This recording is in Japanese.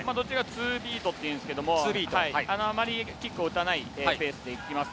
ツービートというんですがあまりキックを打たないペースでいっています。